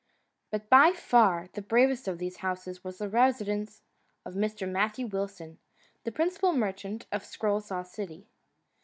But by far the bravest of these houses was the residence of Mr. Matthew Wilson, the principal merchant of Scroll Saw City.